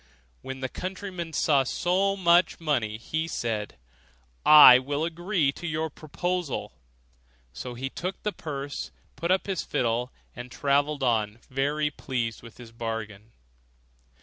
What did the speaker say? When the countryman saw so much money, he said, 'I will agree to your proposal.' So he took the purse, put up his fiddle, and travelled on very pleased with his bargain.